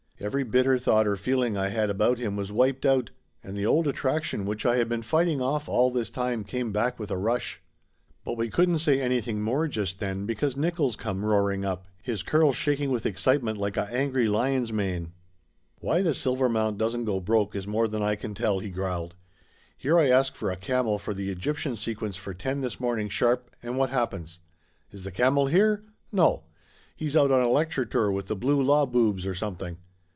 Every bitter thought or feeling I had about him was wiped out, and the old attraction, which I had been fighting off all this time, come back with a rush. But we couldn't say anything more just then because Nickolls come roaring up, his curls shaking with excitement like a angry lion's mane. "Why the Silvermount doesn't go broke is more than I can tell !" he growled. "Here I ask for a camel for the Egyptian sequence for ten this morning sharp, and what happens? Is the camel here? No! He's out on a lecture tour with the Blue Law Boobs, or some thing!